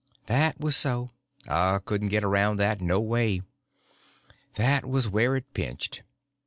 That was so—I couldn't get around that noway. That was where it pinched.